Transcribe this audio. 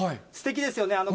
すてきですよね。